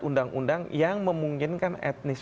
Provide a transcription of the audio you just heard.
undang undang yang memungkinkan etnis